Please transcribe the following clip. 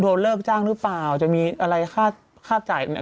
เลิกจ้างหรือเปล่าจะมีอะไรค่าจ่าย